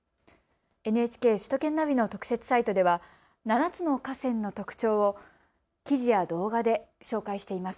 ＮＨＫ首都圏ナビの特設サイトでは７つの河川の特徴を記事や動画で紹介しています。